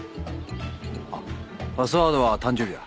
あっパスワードは誕生日だ。